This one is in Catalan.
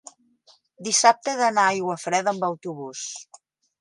dissabte he d'anar a Aiguafreda amb autobús.